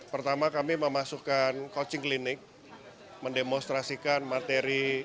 pertama kami memasukkan coaching klinic mendemonstrasikan materi